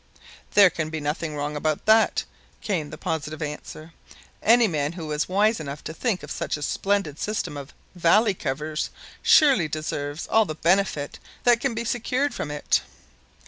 "There can be nothing wrong about that," came the positive answer. "Any man who was wise enough to think of such a splendid system of valley covers surely deserves all the benefit that can be secured from it."